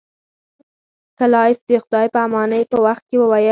کلایف د خدای په امانی په وخت کې وویل.